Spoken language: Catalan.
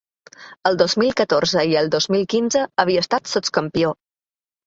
El dos mil catorze i el dos mil quinze havia estat sots-campió.